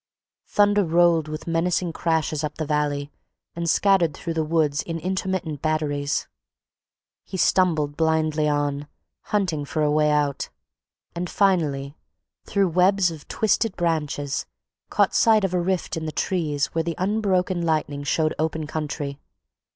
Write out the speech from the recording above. Thunder rolled with menacing crashes up the valley and scattered through the woods in intermittent batteries. He stumbled blindly on, hunting for a way out, and finally, through webs of twisted branches, caught sight of a rift in the trees where the unbroken lightning showed open country.